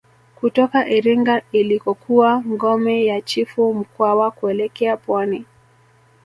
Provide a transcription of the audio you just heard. Kutoka Iringa ilikokuwa ngome ya Chifu Mkwawa kuelekea pwani